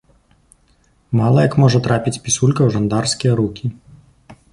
Мала як можа трапіць пісулька ў жандарскія рукі!